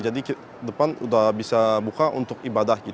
jadi depan sudah bisa buka untuk ibadah